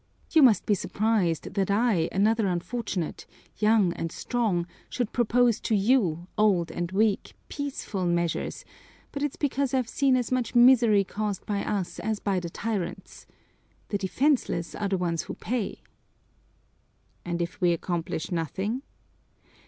"You must be surprised that I, another unfortunate, young and strong, should propose to you, old and weak, peaceful measures, but it's because I've seen as much misery caused by us as by the tyrants. The defenseless are the ones who pay." "And if we accomplish nothing?"